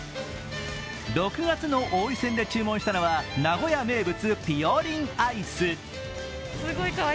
６月の王位戦で注文したのは名古屋名物ぴよりんアイス。